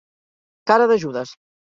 Cara de Judes.